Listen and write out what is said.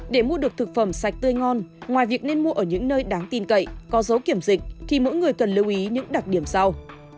để mua được thực phẩm sạch tươi ngon ngoài việc nên mua ở những nơi đáng tin cậy có dấu kiểm dịch thì mỗi người cần lưu ý những đặc điểm sau